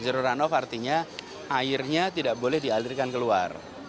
zero runoff artinya airnya tidak boleh dialirkan keluar